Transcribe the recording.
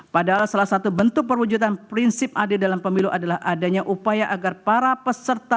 padahal salah satu bentuk perwujudan prinsip adil dalam pemilu adalah adanya upaya agar para peserta